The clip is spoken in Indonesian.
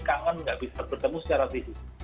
kangen nggak bisa bertemu secara fisik